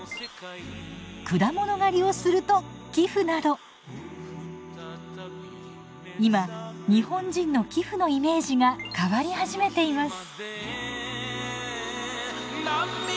果物狩りをすると寄付など今日本人の寄付のイメージが変わり始めています。